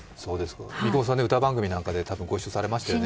三雲さん、歌番組なんかでご一緒されましたよね。